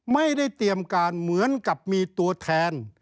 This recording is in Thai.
ไม่ได้เตรียมการเหมือนกับมีตัวแทน